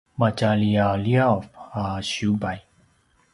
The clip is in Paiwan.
matjaliyaliyav a siyubay